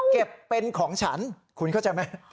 เก็บเป็นของฉันคุณเข้าใจไหม